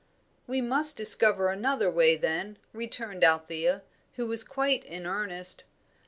"We must discover another way, then," returned Althea, who was quite in earnest.